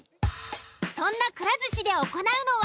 そんな「くら寿司」で行うのは。